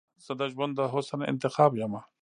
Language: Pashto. زه دژوند د حسن انتخاب یمه